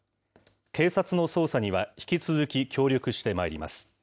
警察の捜査には、引き続き協力してまいります。